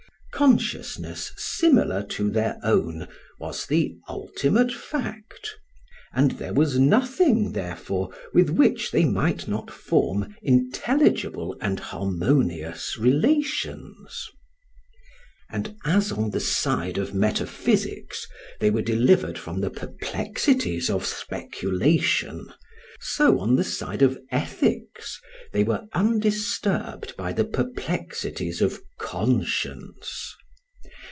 Consciousness similar to their own was the ultimate fact; and there was nothing therefore with which they might not form intelligible and harmonious relations. And as on the side of metaphysics they were delivered from the perplexities of speculation, so on the side of ethics they were undisturbed by the perplexities of conscience.